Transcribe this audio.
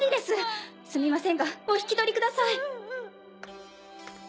すみませんがお引き取りください。